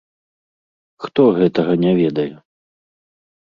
Хто гэтага не ведае?